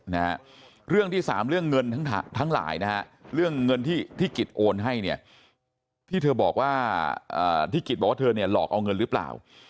เหมือนกับที่กิตบอกว่าเธอเนี่ยหลอกเอาเงินหรือเปล่า